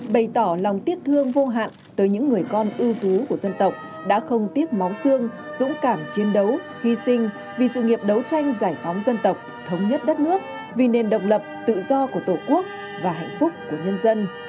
bày tỏ lòng tiếc thương vô hạn tới những người con ưu tú của dân tộc đã không tiếc máu xương dũng cảm chiến đấu hy sinh vì sự nghiệp đấu tranh giải phóng dân tộc thống nhất đất nước vì nền độc lập tự do của tổ quốc và hạnh phúc của nhân dân